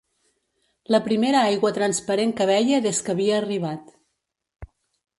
La primera aigua transparent que veia des que havia arribat